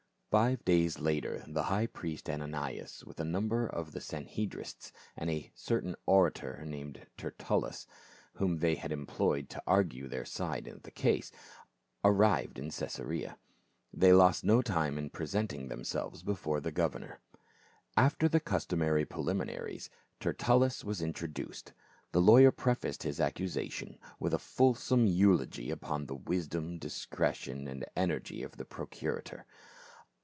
Five days later the high priest Ananias, with a number of the Sanhedrists, and " a certain orator named Tertullus," whom they had employed to argue their side of the case, arrived in Caesarea. They lost no time in presenting themselves before the gov ernor. After the customary preliminaries, Tertullus was introduced. The lawyer prefaced his accusation with a fulsome eulogy upon the wisdom, discretion, and energy of the procurator.